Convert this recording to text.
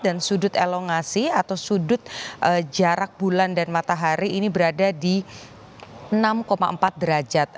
dan sudut elongasi atau sudut jarak bulan dan matahari ini berada di enam empat derajat